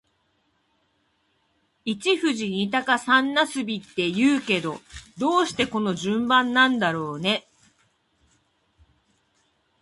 一富士、二鷹、三茄子って言うけど、どうしてこの順番なんだろうね。